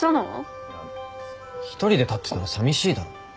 １人で立ってたらさみしいだろ。